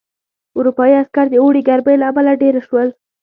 اروپايي عسکر د اوړي ګرمۍ له امله دېره شول.